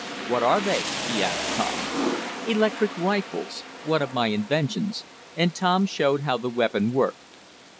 "What are they?" he asked Tom. "Electric rifles. One of my inventions," and Tom showed how the weapon worked.